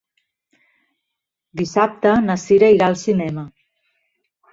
Dissabte na Sira irà al cinema.